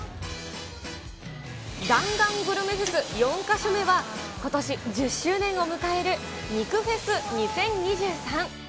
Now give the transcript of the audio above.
弾丸グルメフェス、４か所目は、ことし１０周年を迎える肉フェス２０２３。